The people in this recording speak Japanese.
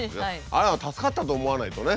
あれは助かったと思わないとね。